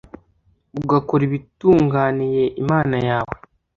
ugakora ibitunganiye imana yawe.